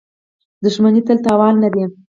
• دښمني تل تاوان لري.